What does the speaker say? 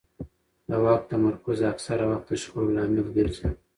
د واک تمرکز اکثره وخت د شخړو لامل ګرځي